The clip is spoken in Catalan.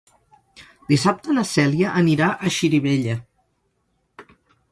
Dissabte na Cèlia anirà a Xirivella.